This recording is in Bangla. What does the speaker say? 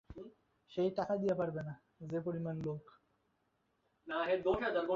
আপনার প্রবৃত্তি অনুসারে সকলেই শাস্ত্রের ব্যাখ্যা করিয়া থাকে।